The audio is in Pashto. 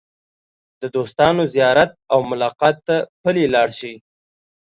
د دوستانو زیارت او ملاقات ته پلي لاړ شئ.